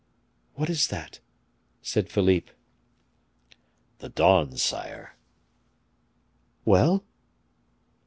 "What is that?" said Philippe. "The dawn, sire." "Well?"